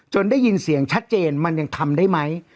ได้ยินเสียงชัดเจนมันยังทำได้ไหม